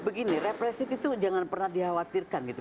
begini represif itu jangan pernah dikhawatirkan gitu